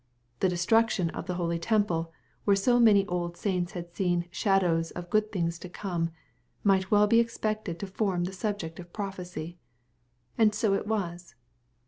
The destruction of the holy temple, where so many old saints had seen " shadows of good things to come,'* might well be expected to form a subject of prophecy. And so it was.